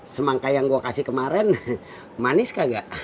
semangka yang gue kasih kemarin manis kagak